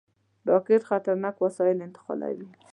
راکټ خطرناک وسایل انتقالوي